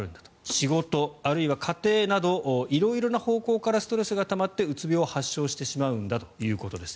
仕事あるいは家庭など色々な方向からストレスがたまってうつ病を発症してしまうんだということです。